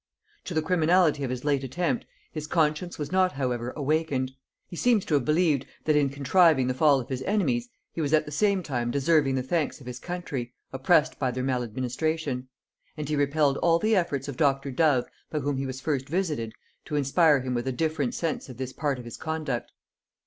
To the criminality of his late attempt, his conscience was not however awakened; he seems to have believed, that in contriving the fall of his enemies, he was at the same time deserving the thanks of his country, oppressed by their maladministration; and he repelled all the efforts of Dr. Dove, by whom he was first visited, to inspire him with a different sense of this part of his conduct.